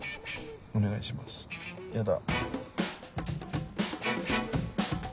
お願いしますヤダ。